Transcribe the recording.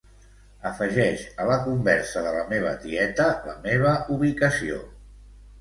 Afegeix a la conversa de la meva tieta la meva ubicació.